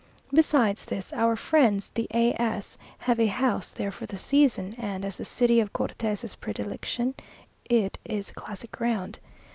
Besides this, our friends the A s have a house there for the season, and, as the city of Cortes's predilection, it is classic ground.